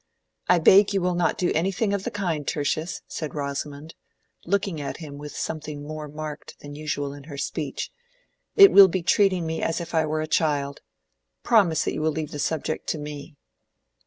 "I beg you will not do anything of the kind, Tertius," said Rosamond, looking at him with something more marked than usual in her speech. "It will be treating me as if I were a child. Promise that you will leave the subject to me."